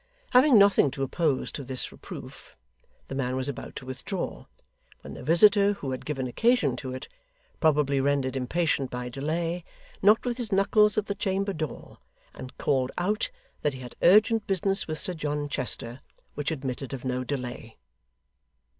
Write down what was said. Having nothing to oppose to this reproof, the man was about to withdraw, when the visitor who had given occasion to it, probably rendered impatient by delay, knocked with his knuckles at the chamber door, and called out that he had urgent business with Sir John Chester, which admitted of no delay.